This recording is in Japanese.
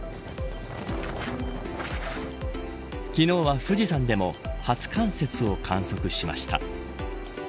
昨日は富士山でも初冠雪を観測しました。